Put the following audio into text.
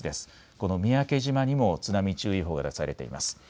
この三宅島にも津波注意報が出されています。